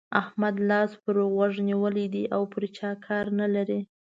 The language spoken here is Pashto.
احمد لاس پر غوږو نيولی دی او پر چا کار نه لري.